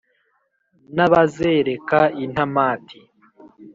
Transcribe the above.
n’ abazereka intamati,